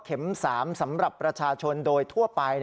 ๓สำหรับประชาชนโดยทั่วไป